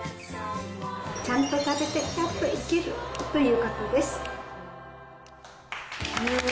ちゃんと食べてちゃんと生きるということです。